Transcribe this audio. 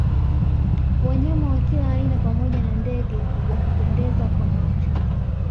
Wanyama wa kila aina pamoja wa ndege wa kupendeza kwa macho